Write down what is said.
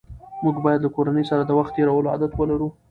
موږ باید له کورنۍ سره د وخت تېرولو عادت ولرو